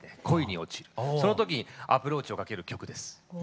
その時にアプローチをかける曲です。